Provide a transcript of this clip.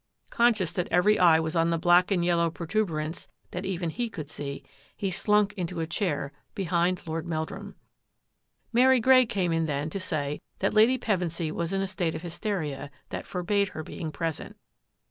Con scious that every eye was on the black and yellow protuberance that even he could see, he slunk into a chair behind Lord Meldrum. Mary Grey came in then to say that Lady Pevensy was in a state of hysteria that forbade her being present.